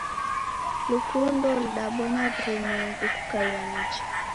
Lukundo ludabonya w'urumwegu kukaia nicha.